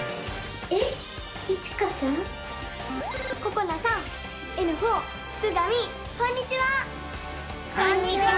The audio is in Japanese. こんにちは！